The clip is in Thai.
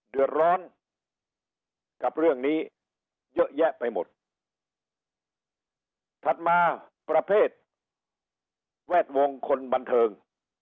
เดือดร้อนกับเรื่องนี้เยอะแยะไปหมดถัดมาประเภทแวดวงคนบันเทิง